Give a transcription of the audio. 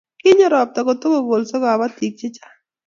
kinyo robta kotukukesei kabotik che chang'